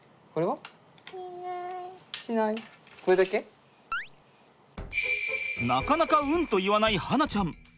早速なかなかうんと言わない巴梛ちゃん。